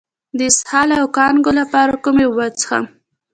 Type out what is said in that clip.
د اسهال او کانګو لپاره کومې اوبه وڅښم؟